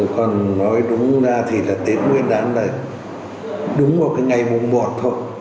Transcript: còn nói đúng ra thì là tết nguyên đán là đúng vào cái ngày mùng một thôi